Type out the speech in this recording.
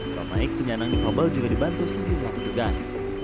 saat naik penyanang di fabel juga dibantu sedikit waktu gas